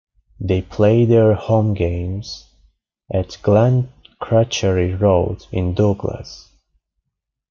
They play their home games at Glencrutchery Road in Douglas.